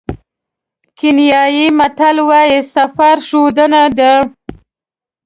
کینیايي متل وایي سفر ښوونه ده.